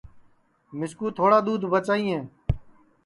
مِسکُو تھوڑا دُدھ بچائیئے